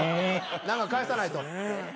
何か返さないと。